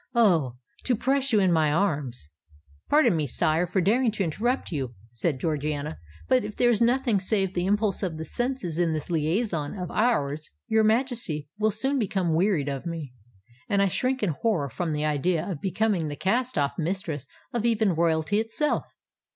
Oh! to press you in my arms——" "Pardon me, sire, for daring to interrupt you," said Georgiana; "but if there be nothing save the impulse of the senses in this liaison of ours, your Majesty will soon become wearied of me—and I shrink in horror from the idea of becoming the cast off mistress of even Royalty itself.